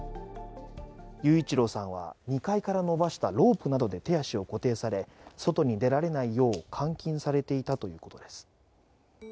雄一郎さんは２階から伸ばしたロープなどで手足を固定され、外に出られないよう監禁されていたということです。